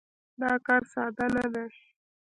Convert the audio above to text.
دا کار ساده نه دی.